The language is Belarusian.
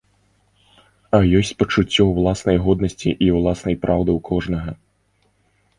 А ёсць пачуццё ўласнай годнасці і ўласнай праўды ў кожнага.